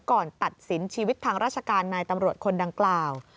ตัดสินชีวิตทางราชการนายตำรวจคนดังกล่าว